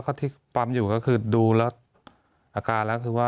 มีความรู้สึกว่ามีความรู้สึกว่ามีความรู้สึกว่า